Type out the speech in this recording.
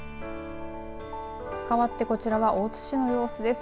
かわってこちらは大津市の様子です。